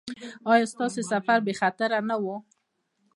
ایا ستاسو سفر بې خطره نه و؟